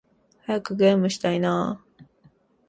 早くゲームしたいな〜〜〜